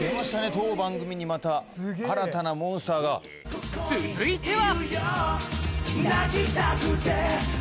当番組にまた新たなモンスターが続いては！